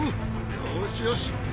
よしよし。